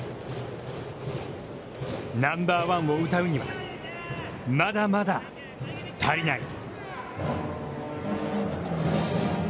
ナンバーワンをうたうにはまだまだ足りない。